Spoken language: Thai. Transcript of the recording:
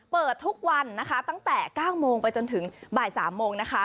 เปิดทุกวันนะคะตั้งแต่๙โมงไปจนถึงบ่าย๓โมงนะคะ